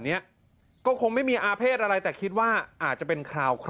เนี้ยก็คงไม่มีอาเภษอะไรแต่คิดว่าอาจจะเป็นคราวเคราะห์